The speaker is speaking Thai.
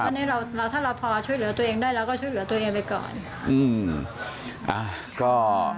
อันนี้เราถ้าเราพอช่วยเหลือตัวเองได้เราก็ช่วยเหลือตัวเองไปก่อนค่ะ